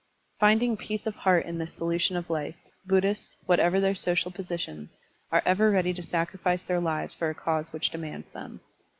Finding peace of heart in this solution of Ufe, Buddhists, whatever their social positions, are ever ready to sacrifice their lives for a cause which demands them.